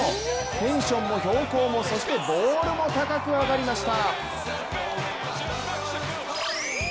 テンションも標高もそしてボールも高く上がりました。